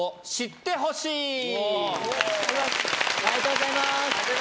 ありがとうございます！